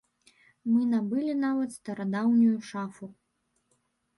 Мы набылі, нават, старадаўнюю шафу.